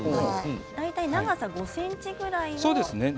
大体長さ５ｃｍくらいですね。